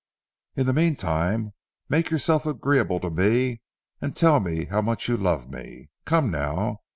In the meantime make yourself agreeable to me and tell me how much you love me. Come now.